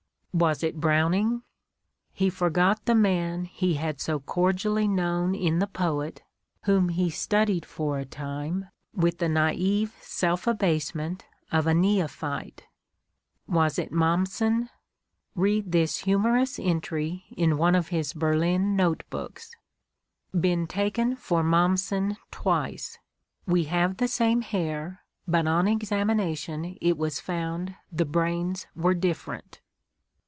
Was it Browning? He forgot the man he had so cordially known in the poet whom he studied for a time with the naive self abasement of a neophyte. Was it Mommsen ? Read this humorous entry in one of his Ber lin note books: "Been taken for Mommsen twice. We have the same hair, but on examination it was found the brains were different."